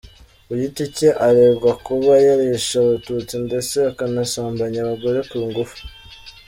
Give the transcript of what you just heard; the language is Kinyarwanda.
Ku giti cye aregwa kuba yarishe abatutsi ndetse akanasambanya abagore ku ngufu.